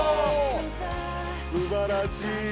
すばらしい！